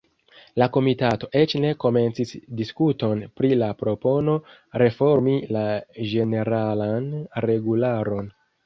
La komitato eĉ ne komencis diskuton pri la propono reformi la ĝeneralan regularon.